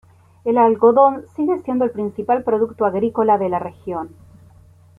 El algodón sigue siendo el principal producto agrícola de la región.